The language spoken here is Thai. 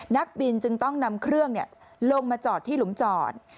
นักบินจึงต้องนำเครื่องลงมาจอดที่หลุมจอด